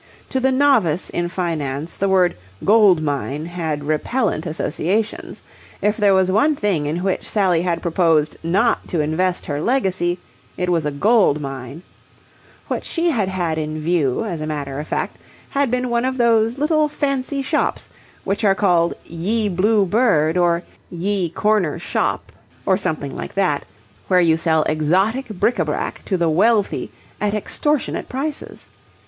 To the novice in finance the word gold mine had repellent associations. If there was one thing in which Sally had proposed not to invest her legacy, it was a gold mine; what she had had in view, as a matter of fact, had been one of those little fancy shops which are called Ye Blue Bird or Ye Corner Shoppe, or something like that, where you sell exotic bric a brac to the wealthy at extortionate prices.